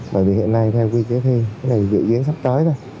bởi vì hiện nay theo quy kế thi cái này dự diễn sắp tới rồi